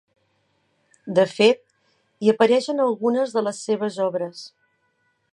De fet, hi apareix en algunes de les seves obres.